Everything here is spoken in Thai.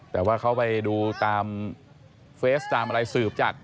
แต่ว่าเขาไปดูตามเฟสตามอะไรสืบจาก